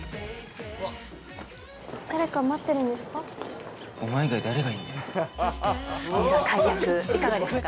誰か待ってるんですか？